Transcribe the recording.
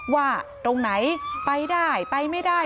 ว่าตรงไหนไปได้ไปไม่ได้